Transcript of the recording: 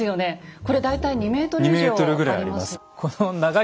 これ大体２ｍ以上あります。